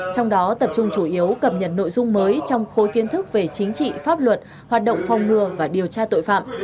trong đó tập trung chủ yếu cập nhật nội dung mới trong khối kiến thức về chính trị pháp luật hoạt động phòng ngừa và điều tra tội phạm